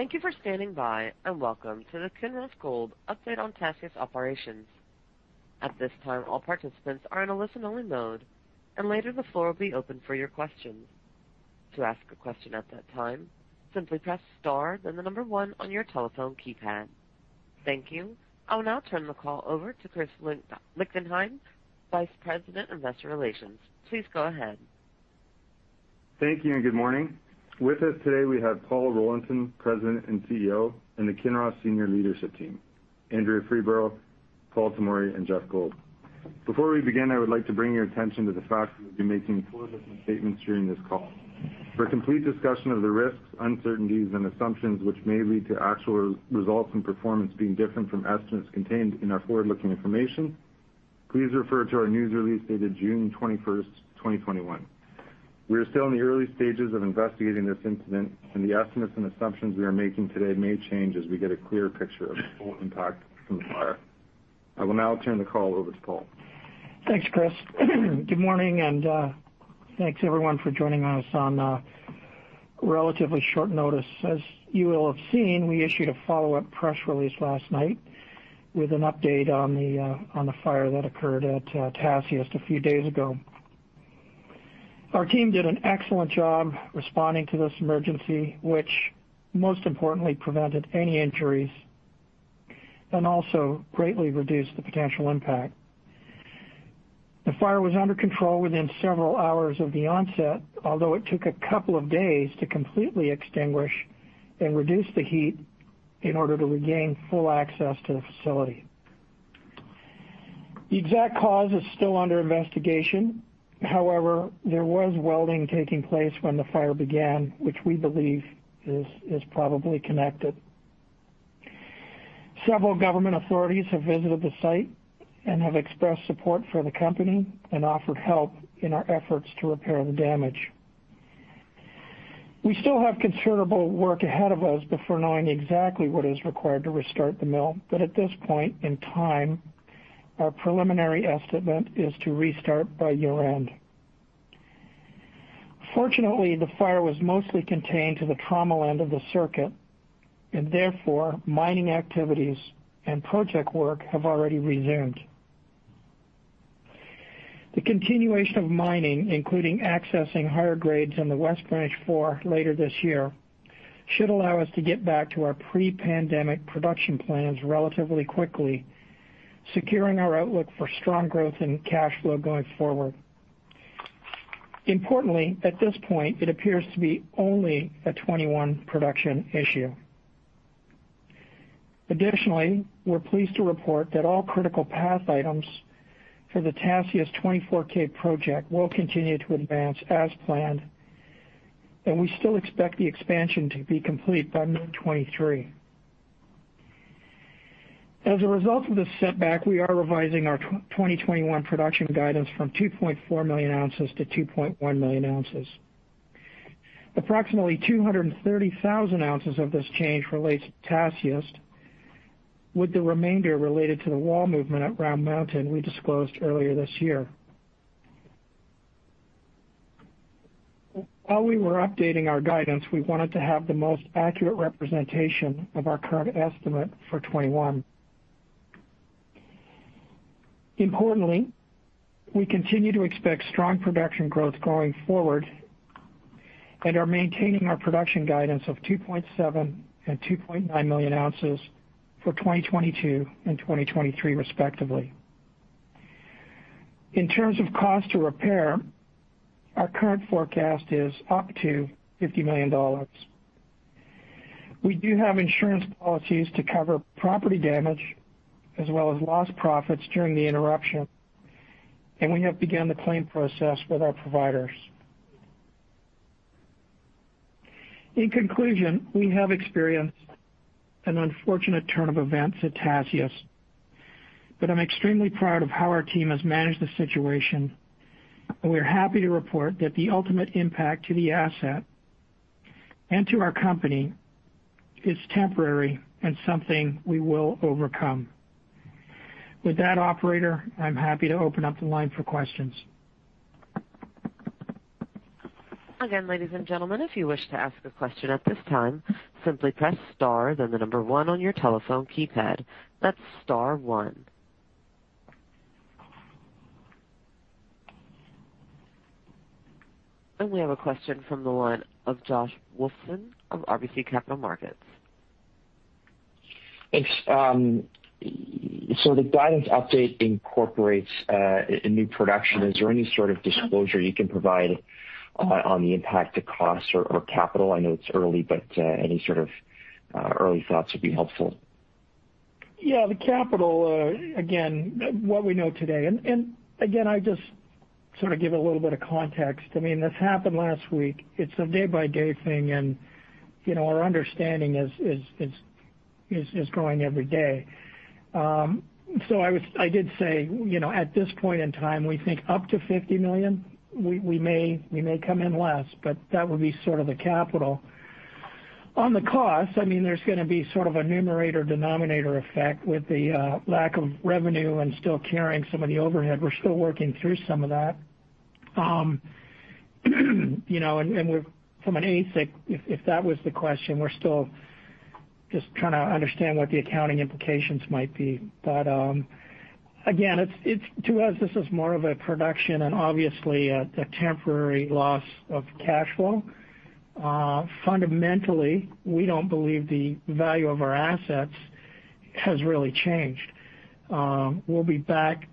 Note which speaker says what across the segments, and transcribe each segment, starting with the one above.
Speaker 1: Thank you for standing by, and welcome to the Kinross Gold update on Tasiast operations. At this time, all participants are in a listen-only mode, and later the floor will be open for your questions. To ask a question at that time, simply press star then the number one on your telephone keypad. Thank you. I'll now turn the call over to Chris Lichtenheldt, Vice President, Investor Relations. Please go ahead.
Speaker 2: Thank you, good morning. With us today, we have Paul Rollinson, President and CEO, and the Kinross senior leadership team, Andrea Freeborough, Paul Tomory, and Geoff Gold. Before we begin, I would like to bring your attention to the fact that we'll be making forward-looking statements during this call. For a complete discussion of the risks, uncertainties, and assumptions which may lead to actual results and performance being different from estimates contained in our forward-looking information, please refer to our news release dated June 21st, 2021. We are still in the early stages of investigating this incident, and the estimates and assumptions we are making today may change as we get a clear picture of the full impact from the fire. I will now turn the call over to Paul.
Speaker 3: Thanks, Chris. Good morning, and thanks, everyone, for joining us on relatively short notice. As you will have seen, we issued a follow-up press release last night with an update on the fire that occurred at Tasiast a few days ago. Our team did an excellent job responding to this emergency, which most importantly prevented any injuries and also greatly reduced the potential impact. The fire was under control within several hours of the onset, although it took two days to completely extinguish and reduce the heat in order to regain full access to the facility. The exact cause is still under investigation. However, there was welding taking place when the fire began, which we believe is probably connected. Several government authorities have visited the site and have expressed support for the company and offered help in our efforts to repair the damage. We still have considerable work ahead of us before knowing exactly what is required to restart the mill, but at this point in time, our preliminary estimate is to restart by year-end. Fortunately, the fire was mostly contained to the trommel end of the circuit, and therefore mining activities and project work have already resumed. The continuation of mining, including accessing higher grades in the West Branch 4 later this year, should allow us to get back to our pre-pandemic production plans relatively quickly, securing our outlook for strong growth and cash flow going forward. Importantly, at this point, it appears to be only a 2021 production issue. We're pleased to report that all critical path items for the Tasiast 24k project will continue to advance as planned, and we still expect the expansion to be complete by mid 2023. As a result of this setback, we are revising our 2021 production guidance from 2.4 million ounces to 2.1 million ounces. Approximately 230,000 ounces of this change relates to Tasiast, with the remainder related to the wall movement at Round Mountain we disclosed earlier this year. While we were updating our guidance, we wanted to have the most accurate representation of our current estimate for 2021. Importantly, we continue to expect strong production growth going forward and are maintaining our production guidance of 2.7 million and 2.9 million ounces for 2022 and 2023 respectively. In terms of cost to repair, our current forecast is up to $50 million. We do have insurance policies to cover property damage as well as lost profits during the interruption, and we have begun the claim process with our providers. In conclusion, we have experienced an unfortunate turn of events at Tasiast, but I'm extremely proud of how our team has managed the situation, and we are happy to report that the ultimate impact to the asset and to our company is temporary and something we will overcome. With that, operator, I'm happy to open up the line for questions.
Speaker 1: Again, ladies and gentlemen, if you wish to ask a question at this time, simply press star then the number one on your telephone keypad. That's star one. We have a question from the line of Josh Wolfson of RBC Capital Markets.
Speaker 4: Thanks. The guidance update incorporates a new production. Is there any sort of disclosure you can provide on the impact to costs or capital? I know it's early, but any sort of early thoughts would be helpful.
Speaker 3: Yeah, the capital, again, what we know today, and again, I just sort of give it a little bit of context. I mean, this happened last week. It's a day-by-day thing, and our understanding is growing every day. I did say, at this point in time, we think up to $50 million. We may come in less, but that would be sort of the capital. On the cost, I mean, there's going to be sort of a numerator/denominator effect with the lack of revenue and still carrying some of the overhead. We're still working through some of that. From an AISC, if that was the question, we're still just trying to understand what the accounting implications might be. Again, to us, this is more of a production and obviously a temporary loss of cash flow. Fundamentally, we don't believe the value of our assets has really changed. We'll be back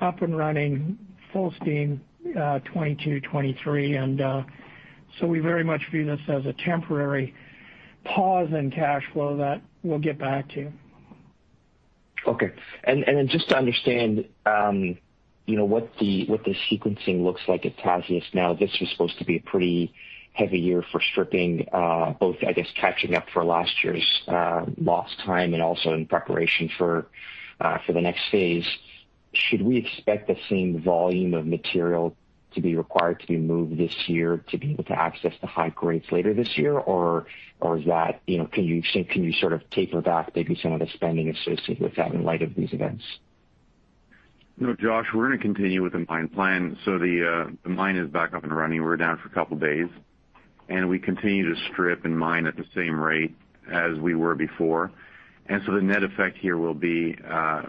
Speaker 3: up and running full steam 2022, 2023, and so we very much view this as a temporary pause in cash flow that we'll get back to.
Speaker 4: Okay. Just to understand what the sequencing looks like at Tasiast now, this is supposed to be a pretty heavy year for stripping, both I guess catching up for last year's lost time and also in preparation for the next phase. Should we expect the same volume of material to be required to be moved this year to be able to access the high grades later this year? Can you sort of taper back maybe some of the spending associated with that in light of these events?
Speaker 5: Josh, we're going to continue with the mine plan. The mine is back up and running. We're down for a couple of days, we continue to strip and mine at the same rate as we were before. The net effect here will be,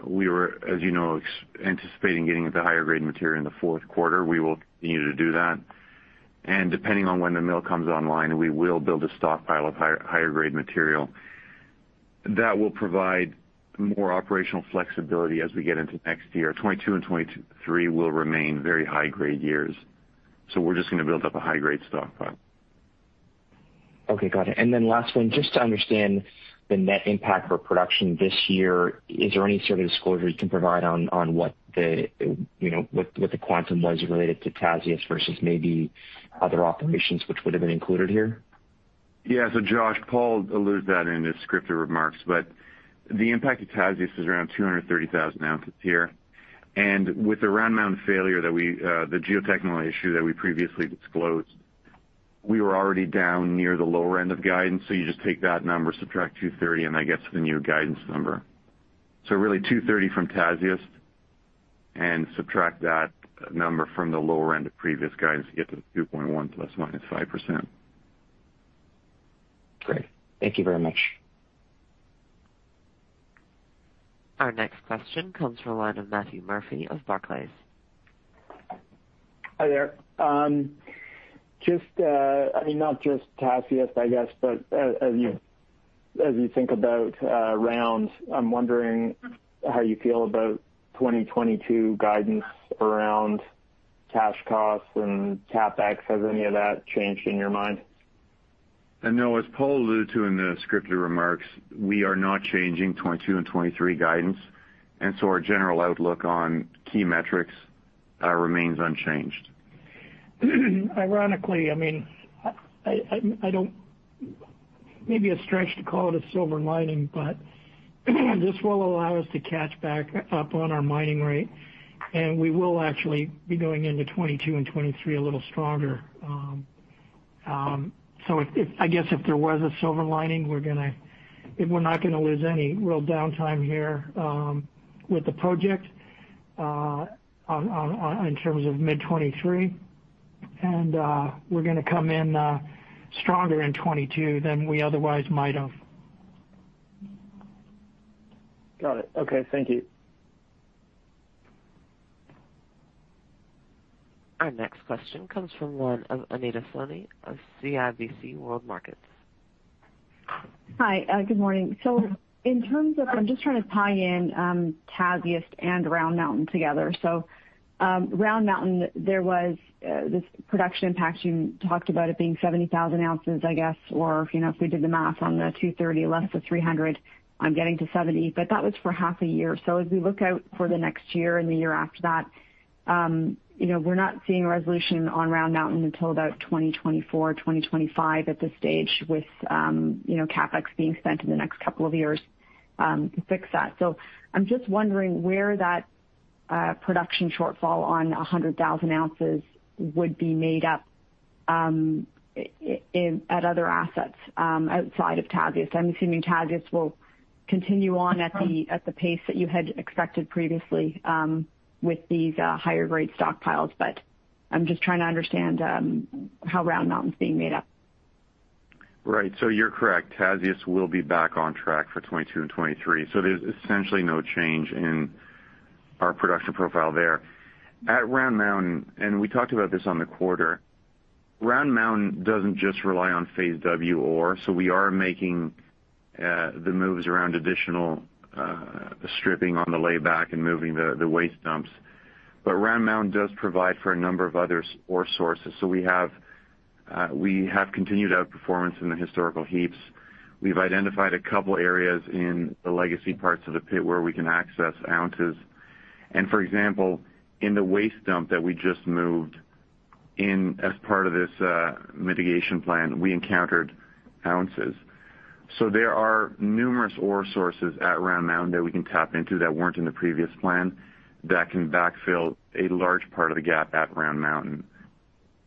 Speaker 5: we were, as you know, anticipating getting into higher grade material in the fourth quarter. We will continue to do that. Depending on when the mill comes online, we will build a stockpile of higher grade material that will provide more operational flexibility as we get into next year. 2022 and 2023 will remain very high-grade years. We're just going to build up a high-grade stockpile.
Speaker 4: Okay, got it. Last one, just to understand the net impact for production this year, is there any sort of disclosure you can provide on what the quantum was related to Tasiast versus maybe other operations which would have been included here?
Speaker 5: Yeah. Josh, Paul alluded to that in his scripted remarks, but the impact of Tasiast is around 230,000 ounces here. With the Round Mountain failure, the geotechnical issue that we previously disclosed, we were already down near the lower end of guidance. You just take that number, subtract 230, and that gets the new guidance number. Really 230 from Tasiast and subtract that number from the lower end of previous guidance to get to the 2.1 ±5%.
Speaker 4: Great. Thank you very much.
Speaker 1: Our next question comes from the line of Matthew Murphy of Barclays.
Speaker 6: Hi there. Not just Tasiast I guess, but as you think about Round Mountain, I'm wondering how you feel about 2022 guidance around cash costs and CapEx. Has any of that changed in your mind?
Speaker 5: No, as Paul alluded to in the scripted remarks, we are not changing 2022 and 2023 guidance. Our general outlook on key metrics remains unchanged.
Speaker 3: Ironically, maybe a stretch to call it a silver lining, but this will allow us to catch back up on our mining rate, and we will actually be going into 2022 and 2023 a little stronger. I guess if there was a silver lining, we're not going to lose any real downtime here with the project in terms of mid 2023, and we're going to come in stronger in 2022 than we otherwise might have.
Speaker 6: Got it. Okay. Thank you.
Speaker 1: Our next question comes from the line of Anita Soni of CIBC World Markets.
Speaker 7: Hi, good morning. I'm just trying to tie in Tasiast and Round Mountain together. Round Mountain, there was this production impact you talked about it being 70,000 ounces, I guess, or if we did the math on the 230 less the 300, I'm getting to 70, but that was for half a year. As we look out for the next year and the year after that, we're not seeing a resolution on Round Mountain until about 2024, 2025 at this stage with CapEx being spent in the next couple of years to fix that. I'm just wondering where that production shortfall on 100,000 ounces would be made up at other assets outside of Tasiast. I'm assuming Tasiast will continue on at the pace that you had expected previously with these higher grade stockpiles, but I'm just trying to understand how Round Mountain's being made up.
Speaker 5: Right. You're correct. Tasiast will be back on track for 2022 and 2023. There's essentially no change in our production profile there. At Round Mountain, and we talked about this on the quarter, Round Mountain doesn't just rely on Phase W ore, so we are making the moves around additional stripping on the layback and moving the waste dumps. Round Mountain does provide for a number of other ore sources. We have continued to have performance in the historical heaps. We've identified a couple areas in the legacy parts of the pit where we can access ounces. For example, in the waste dump that we just moved in as part of this mitigation plan, we encountered ounces. There are numerous ore sources at Round Mountain that we can tap into that weren't in the previous plan that can backfill a large part of the gap at Round Mountain.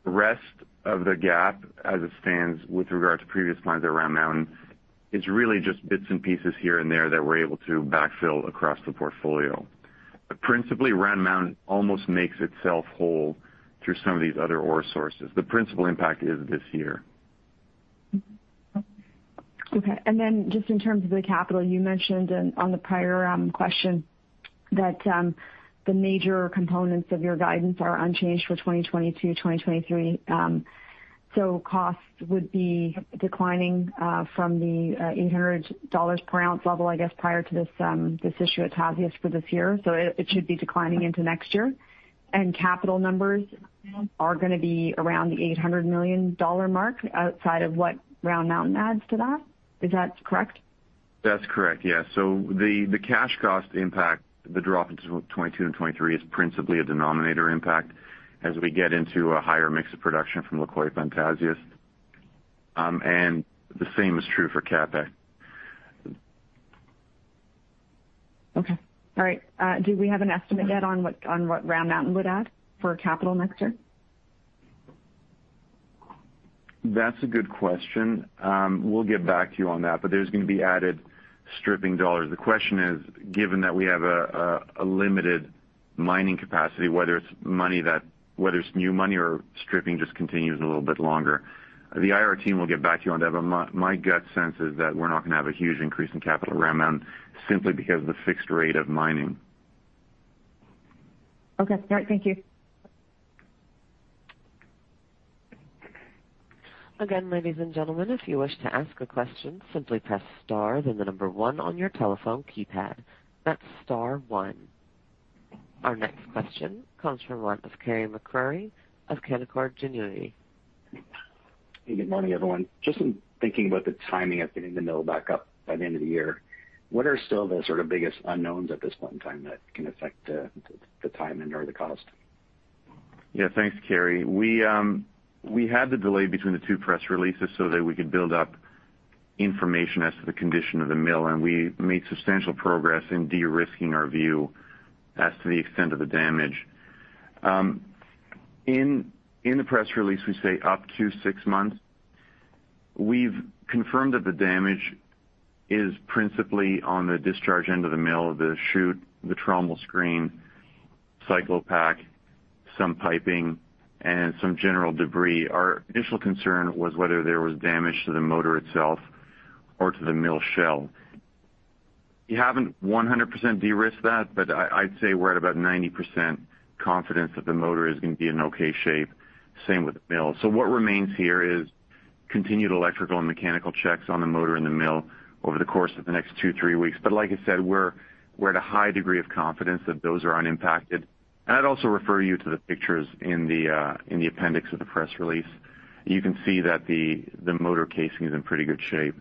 Speaker 5: The rest of the gap as it stands with regards to previous mines at Round Mountain is really just bits and pieces here and there that we're able to backfill across the portfolio. Principally, Round Mountain almost makes itself whole through some of these other ore sources. The principal impact is this year.
Speaker 7: Okay. Just in terms of the capital, you mentioned on the prior question that the major components of your guidance are unchanged for 2022, 2023. Costs would be declining from the $800 per ounce level, I guess, prior to this issue at Tasiast for this year. It should be declining into next year, capital numbers are going to be around the $800 million mark outside of what Round Mountain adds to that. Is that correct?
Speaker 5: That's correct, yeah. The cash cost impact, the drop into 2022 and 2023 is principally a denominator impact as we get into a higher mix of production from La Coipa and Tasiast. The same is true for CapEx.
Speaker 7: Okay. All right. Do we have an estimate yet on what Round Mountain would add for capital next year?
Speaker 5: That's a good question. We'll get back to you on that, but there's going to be added stripping dollars. The question is, given that we have a limited mining capacity, whether it's new money or stripping just continues a little bit longer. The IR team will get back to you on that, but my gut sense is that we're not going to have a huge increase in capital at Round Mountain simply because of the fixed rate of mining.
Speaker 7: Okay. Great. Thank you.
Speaker 1: Again, ladies and gentlemen, if you wish to ask a question, simply press star, then the number one on your telephone keypad. That's star one. Our next question comes from one of Carey MacRury of Canaccord Genuity.
Speaker 8: Good morning, everyone. Just in thinking about the timing of getting the mill back up by the end of the year, what are still the sort of biggest unknowns at this point in time that can affect the timing or the cost?
Speaker 5: Yeah, thanks, Carey. We had the delay between the two press releases so that we could build up information as to the condition of the mill, we made substantial progress in de-risking our view as to the extent of the damage. In the press release, we say up to six months. We've confirmed that the damage is principally on the discharge end of the mill, the chute, the trommel screen, Cyclopac, some piping, and some general debris. Our initial concern was whether there was damage to the motor itself or to the mill shell. We haven't 100% de-risked that, I'd say we're at about 90% confidence that the motor is going to be in okay shape. Same with the mill. What remains here is continued electrical and mechanical checks on the motor in the mill over the course of the next two to three weeks. Like I said, we're at a high degree of confidence that those are unimpacted. I'd also refer you to the pictures in the appendix of the press release. You can see that the motor casing is in pretty good shape.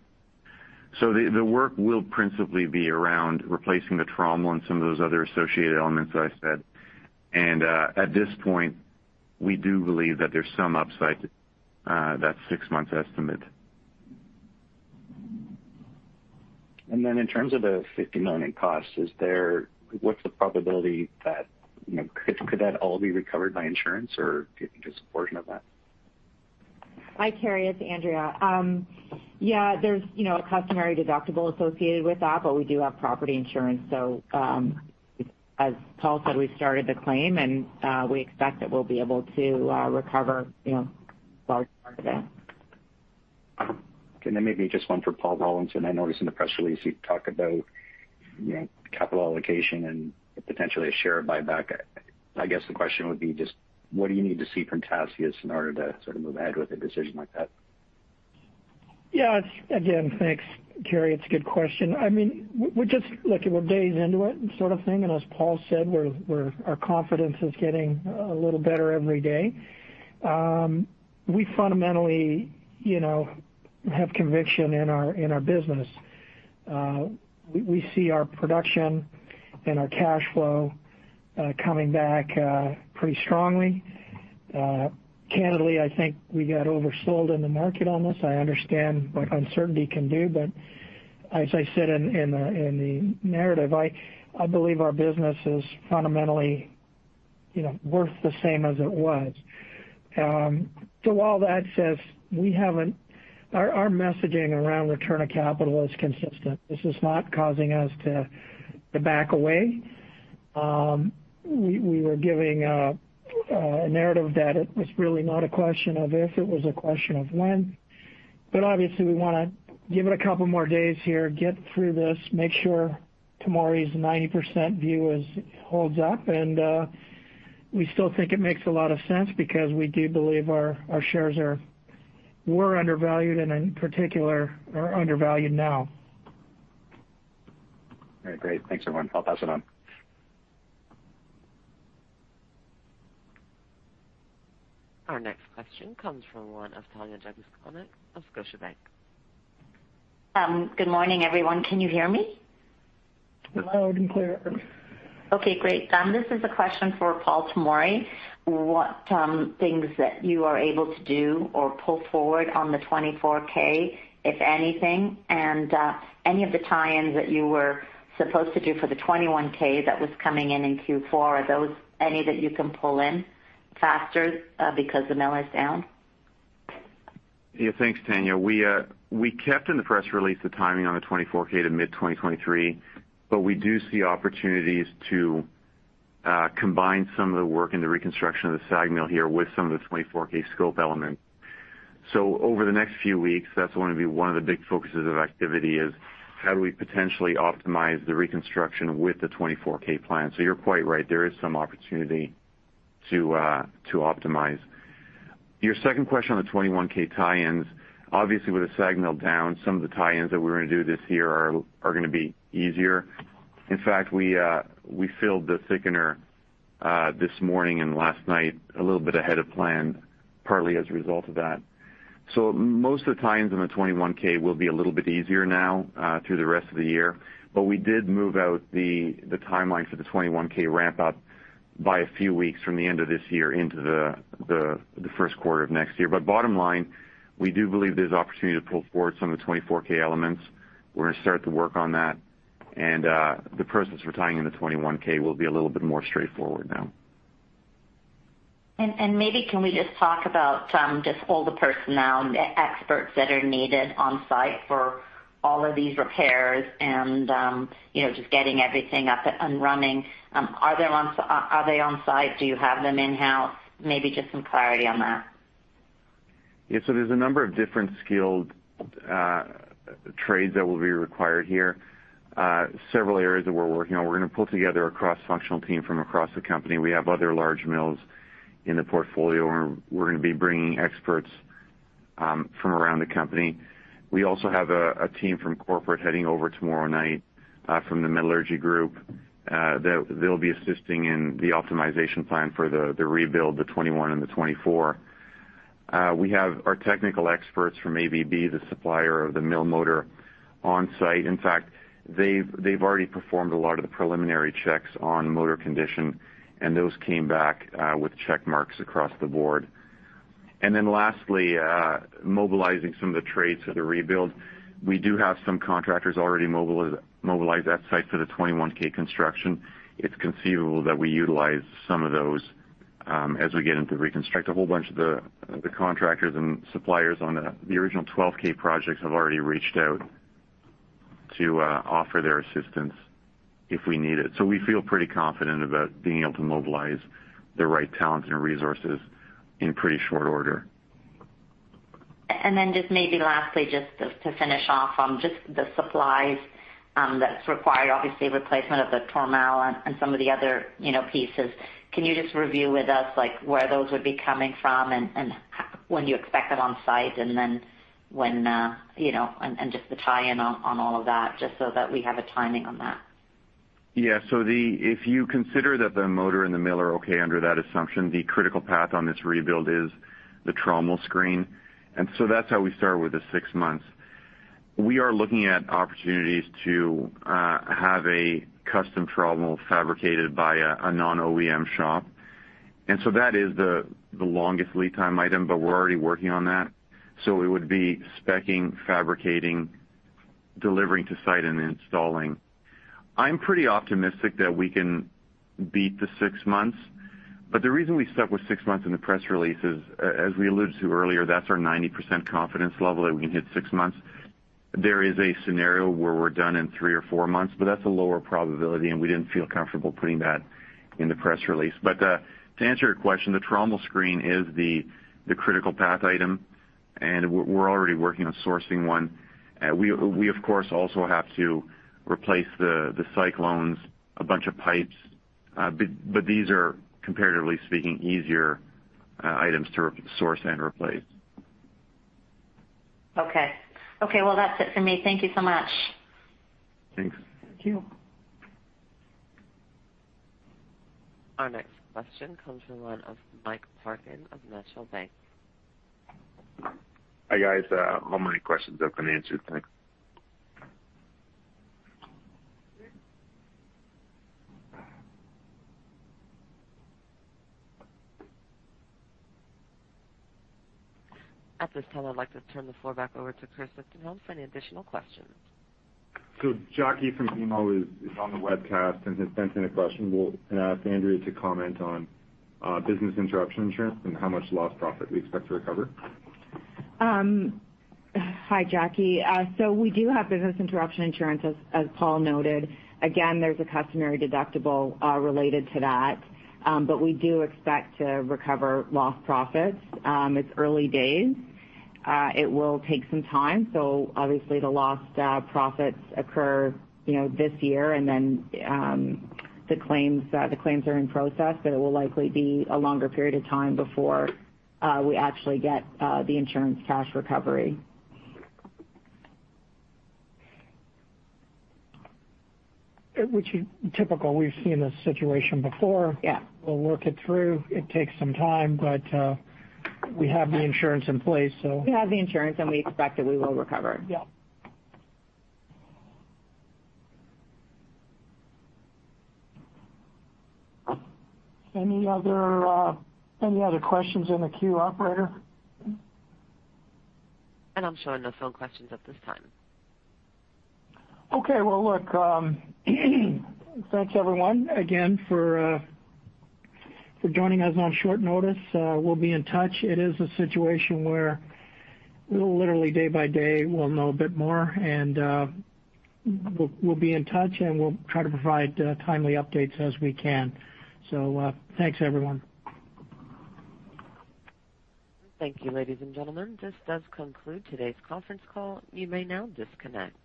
Speaker 5: The work will principally be around replacing the trommel and some of those other associated elements that I said. At this point, we do believe that there's some upside to that six months estimate.
Speaker 8: In terms of the $50 million cost, what's the probability that could all be recovered by insurance, or just a portion of that?
Speaker 9: Hi, Carey, it's Andrea. Yeah, there's a customary deductible associated with that. We do have property insurance. As Paul said, we started the claim, and we expect that we'll be able to recover a large part of it.
Speaker 8: Maybe just one for Paul Rollinson. I know he's in the press release. You talk about capital allocation and potentially a share buyback. I guess the question would be just what do you need to see from Tasiast in order to sort of move ahead with a decision like that?
Speaker 3: Yeah. Again, thanks, Carey. It's a good question. I mean, we're days into it sort of thing, as Paul said, our confidence is getting a little better every day. We fundamentally have conviction in our business. We see our production and our cash flow coming back pretty strongly. Candidly, I think we got oversold in the market almost. I understand what uncertainty can do. As I said in the narrative, I believe our business is fundamentally worth the same as it was. All that said, our messaging around return of capital is consistent. This is not causing us to back away. We were giving a narrative that it was really not a question of if, it was a question of when. Obviously, we want to give it a couple more days here, get through this, make sure Tomory's 90% view holds up. We still think it makes a lot of sense because we do believe our shares were undervalued and in particular are undervalued now.
Speaker 8: Great. Thanks, everyone. I'll pass it on.
Speaker 1: Our next question comes from one of Tanya Jakusconek of Scotiabank.
Speaker 10: Good morning, everyone. Can you hear me?
Speaker 3: Loud and clear.
Speaker 10: Great. This is a question for Paul Tomory. What things that you are able to do or pull forward on the 24,000, if anything, and any of the tie-ins that you were supposed to do for the 21,000 that was coming in in Q4, are those any that you can pull in faster because the mill is down?
Speaker 5: Yeah. Thanks, Tanya. We kept in the press release the timing on the 24,000 to mid-2023, but we do see opportunities to combine some of the work in the reconstruction of the SAG mill here with some of the 24,000 scope elements. Over the next few weeks, that's going to be one of the big focuses of activity is how do we potentially optimize the reconstruction with the 24,000 plan. You're quite right, there is some opportunity to optimize. Your second question on the 21,000 tie-ins, obviously, with the SAG mill down, some of the tie-ins that we're going to do this year are going to be easier. In fact, we filled the thickener this morning and last night a little bit ahead of plan, partly as a result of that. Most of the tie-ins on the 21,000 will be a little bit easier now through the rest of the year, but we did move out the timeline for the 21,000 ramp up by a few weeks from the end of this year into the first quarter of next year. Bottom line, we do believe there's opportunity to pull forward some of the 24,000 elements. We're going to start to work on that. The process for tying in the 21,000 will be a little bit more straightforward now.
Speaker 10: Maybe can we just talk about just all the personnel and the experts that are needed on-site for all of these repairs and just getting everything up and running. Are they on-site? Do you have them in-house? Maybe just some clarity on that.
Speaker 5: There's a number of different skilled trades that will be required here. Several areas that we're working on. We're going to pull together a cross-functional team from across the company. We have other large mills in the portfolio, and we're going to be bringing experts from around the company. We also have a team from corporate heading over tomorrow night from the metallurgy group. They'll be assisting in the optimization plan for the rebuild, the 21,000 and the 24,000. We have our technical experts from ABB, the supplier of the mill motor, on-site. In fact, they've already performed a lot of the preliminary checks on motor condition, and those came back with check marks across the board. Lastly, mobilizing some of the trades for the rebuild. We do have some contractors already mobilized at site for the 21,000 construction. It's conceivable that we utilize some of those as we get into reconstruct. A whole bunch of the contractors and suppliers on the original 12,000 project have already reached out to offer their assistance if we need it. We feel pretty confident about being able to mobilize the right talent and resources in pretty short order.
Speaker 10: Just maybe lastly, just to finish off on just the supplies that require, obviously, replacement of the trommel and some of the other pieces. Can you just review with us, where those would be coming from and when you expect it on-site, and just the tie-in on all of that, just so that we have a timing on that?
Speaker 5: Yeah. If you consider that the motor and the mill are okay under that assumption, the critical path on this rebuild is the trommel screen. That's how we start with the six months. We are looking at opportunities to have a custom trommel fabricated by a non-OEM shop. That is the longest lead time item, but we're already working on that. It would be speccing, fabricating, delivering to site, and installing. I'm pretty optimistic that we can beat the six months, but the reason we stuck with six months in the press release is, as we alluded to earlier, that's our 90% confidence level that we can hit six months. There is a scenario where we're done in three or four months, but that's a lower probability, and we didn't feel comfortable putting that in the press release. To answer your question, the trommel screen is the critical path item, and we're already working on sourcing one. We, of course, also have to replace the cyclones, a bunch of pipes, but these are comparatively speaking easier items to source and replace.
Speaker 10: Okay. Well, that's it for me. Thank you so much.
Speaker 5: Thanks.
Speaker 3: Thank you.
Speaker 1: Our next question comes from the line of Mike Parkin of National Bank.
Speaker 11: Hi, guys. My only question's been answered. Thanks.
Speaker 1: At this time, I'd like to turn the floor back over to Chris Lichtenheldt for any additional questions.
Speaker 2: Jackie from email is on the webcast and sent in a question. We'll ask Andrea to comment on business interruption insurance and how much lost profit we expect to recover.
Speaker 9: Hi, Jackie. We do have business interruption insurance, as Paul noted. Again, there's a customary deductible related to that, we do expect to recover lost profits. It's early days. It will take some time. Obviously the lost profits occur this year and then the claims are in process. It will likely be a longer period of time before we actually get the insurance cash recovery.
Speaker 3: Which is typical. We've seen a situation before.
Speaker 9: Yeah.
Speaker 3: We'll work it through. It takes some time, but we have the insurance in place.
Speaker 9: We have the insurance and we expect that we will recover.
Speaker 3: Yeah. Any other questions in the queue, operator?
Speaker 1: I'm showing no phone questions at this time.
Speaker 3: Okay. Well, look, thanks everyone, again, for joining us on short notice. We'll be in touch. It is a situation where literally day by day, we'll know a bit more, and we'll be in touch, and we'll try to provide timely updates as we can. Thanks, everyone.
Speaker 1: Thank you, ladies and gentlemen. This does conclude today's conference call. You may now disconnect.